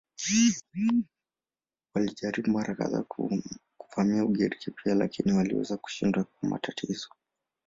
Walijaribu mara kadhaa kuvamia Ugiriki pia lakini waliweza kushindwa kwa matatizo.